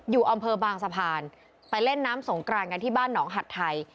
อยู่อำเภอบางสะพานไปเล่นน้ำสงกรานกันที่บ้านหนองหัดไทย